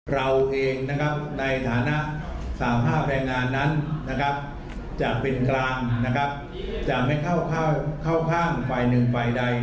เราเองในสถานะสาภาพแรงนานนั้นจะเป็นกลางจะไม่เข้าข้างฝ่ายหนึ่งฝ่ายใด